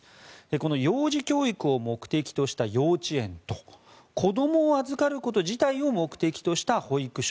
この幼児教育を目的とした幼稚園と子どもを預かること自体を目的とした保育所